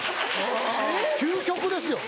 究極ですよ。